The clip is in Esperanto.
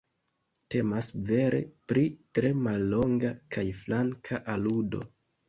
Temas vere pri tre mallonga kaj flanka aludo.